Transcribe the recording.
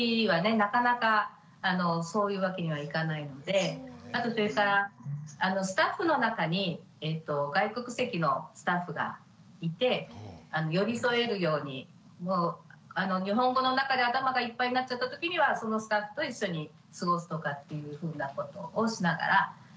なかなかそういうわけにはいかないのであとそれからスタッフの中に外国籍のスタッフがいて寄り添えるように日本語の中で頭がいっぱいになっちゃったときにはそのスタッフと一緒に過ごすとかっていうふうなことをしながらやってます。